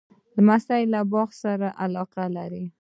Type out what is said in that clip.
لمسی له باغ سره علاقه لري.